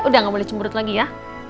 udah gak boleh cemburut lagi ya